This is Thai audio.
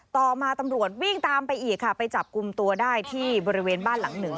ต่อมาตำรวจวิ่งตามไปอีกค่ะไปจับกลุ่มตัวได้ที่บริเวณบ้านหลังหนึ่ง